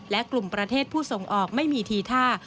และกลุ่มประเทศผู้ส่งออกไม่มีทีท่า